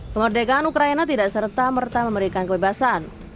kemerdekaan ukraina tidak serta merta memberikan kebebasan